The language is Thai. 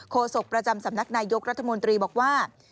โศกประจำสำนักนายยกรัฐมนตรีบอกว่า